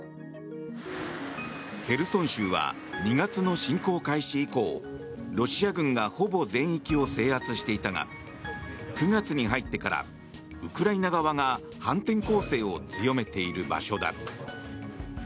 ヘルソン州は２月の侵攻開始以降ロシア軍がほぼ全域を制圧していたが９月に入ってからウクライナ側が反転攻勢を強めている場所だ。